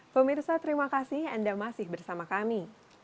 pemirsa terima kasih anda masih bersama kami